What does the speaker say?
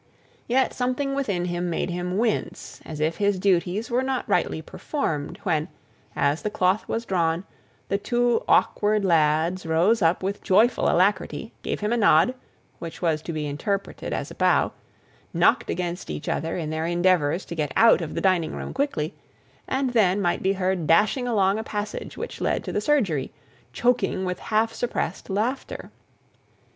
Yet something within him made him wince, as if his duties were not rightly performed, when, as the cloth was drawn, the two awkward lads rose up with joyful alacrity, gave him a nod, which was to be interpreted as a bow, knocked against each other in their endeavours to get out of the dining room quickly; and then might be heard dashing along a passage which led to the surgery, choking with half suppressed laughter.